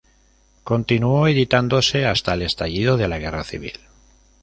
Continuó editándose hasta el estallido de la Guerra civil.